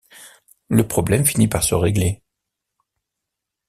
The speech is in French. Le problème finit par se régler.